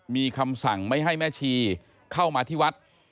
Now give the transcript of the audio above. มีคำสั่งไม่ให้แม่ชีเข้ามาที่วัด